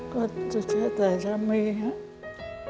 ก็จะใช้แต่ชามีครับ